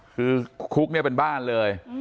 คือคุกเนี่ยเป็นบ้านเลย